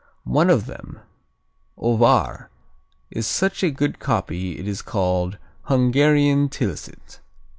One of them, Ovár, is such a good copy it is called Hungarian Tilsit.